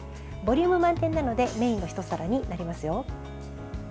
ボリューム満点なのでメインのひと皿になりますよ。